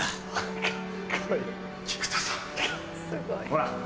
ほら！